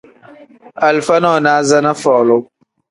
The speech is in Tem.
Alifa nonaza ni folu.